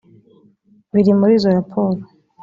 biri muri izo raporo